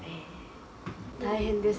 大変ですね